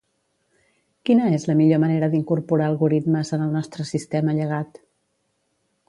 Quina és la millor manera d'incorporar algoritmes en el nostre sistema llegat?